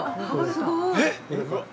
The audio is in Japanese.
すごい。